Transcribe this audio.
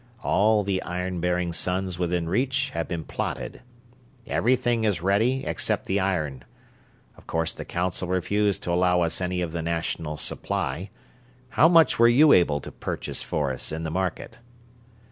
All the iron bearing suns within reach have been plotted. Everything is ready except the iron. Of course the Council refused to allow us any of the national supply how much were you able to purchase for us in the market?"